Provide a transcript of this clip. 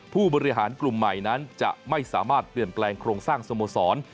ผู้บริหารกลุ่มใหม่นั้นจะไม่สามารถเปลี่ยนแปลงโครงสร้างสโมสร